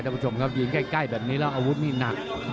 ท่านผู้ชมครับยิงใกล้แบบนี้แล้วอาวุธนี่หนัก